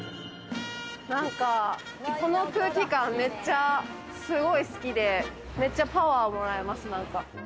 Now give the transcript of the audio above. この空気感、めっちゃすごい好きで、めっちゃパワーもらえます。